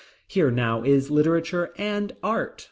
Here now is literature and art.